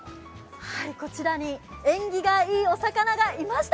こちらに縁起がいいお魚がいました。